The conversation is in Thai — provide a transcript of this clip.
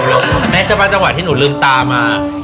แล้วแม่เฉพาะจังหวะที่หนูลืมตามา